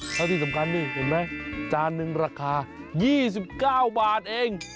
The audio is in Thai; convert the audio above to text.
แล้วที่สำคัญนี่เห็นไหมจานหนึ่งราคา๒๙บาทเอง